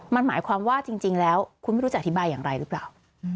มันหมายความว่าจริงแล้วคุณไม่รู้จะอธิบายอย่างไรหรือเปล่า